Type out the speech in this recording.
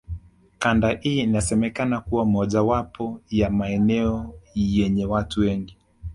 Kanda hii inasemekana kuwa mojawapo ya maeneo yenye watu wengi